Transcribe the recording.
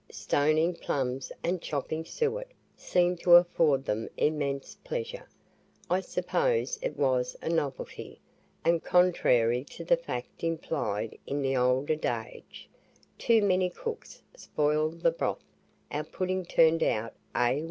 Stoning plums and chopping suet seemed to afford them immense pleasure I suppose it was a novelty; and, contrary to the fact implied in the old adage, "too many cooks spoil the broth" our pudding turned out A1.